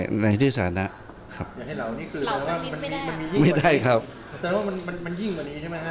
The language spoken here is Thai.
ของคุณธรรมนาทันเนี้ยคำนยังไงบ้าง